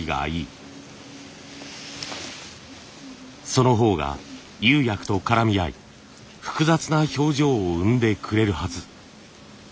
そのほうが釉薬と絡み合い複雑な表情を生んでくれるはず。